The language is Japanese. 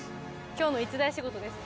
今日の一大仕事です。